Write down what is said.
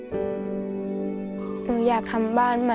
พี่น้องของหนูก็ช่วยย่าทำงานค่ะ